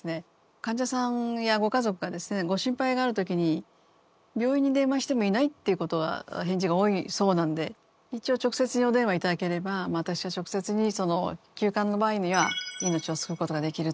患者さんやご家族がですねご心配がある時に病院に電話してもいないっていうことが返事が多いそうなんで一応直接にお電話頂ければ私が直接に急患の場合には命を救うことができると。